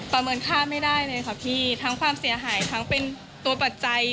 เมินค่าไม่ได้เลยค่ะพี่ทั้งความเสียหายทั้งเป็นตัวปัจจัย